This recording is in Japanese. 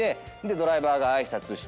ドライバーが挨拶して。